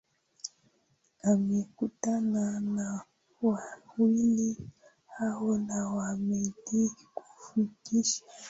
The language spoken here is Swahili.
amekutana na wawili hao na ameahidi kufikisha